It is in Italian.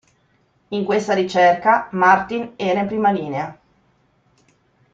In questa ricerca, Martin era in prima linea.